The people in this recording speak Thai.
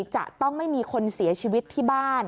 จะต้องไม่มีคนเสียชีวิตที่บ้าน